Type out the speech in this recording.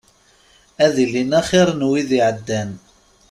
Ad ilin axir n wid iɛeddan.